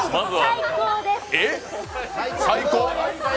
最高？